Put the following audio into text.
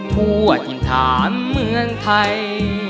ทั่วจินถามเมืองไทย